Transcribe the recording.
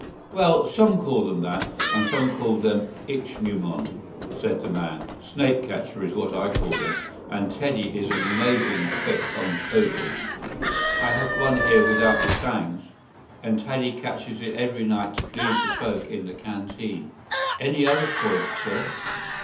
"Well, some call them that, and some call them ichneumon," said the man. "Snake catcher is what I call them, and Teddy is amazing quick on cobras. I have one here without the fangs, and Teddy catches it every night to please the folk in the canteen. "Any other point, sir?"